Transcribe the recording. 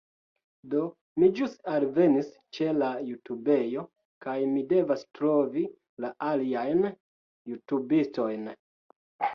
Do, mi ĵus alvenis ĉe la jutubejo kaj mi devas trovi la aliajn jutubistojn